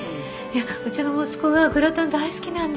うちの息子がグラタン大好きなんです。